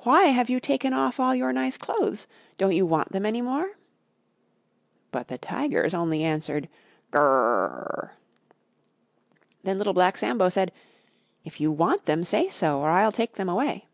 why have you taken off all your nice clothes? Don't you want them any more?" But the Tigers only answered "Gr r r rrrrr!" Then Little Black Sambo said, "If you want them, say so, or I'll take them away."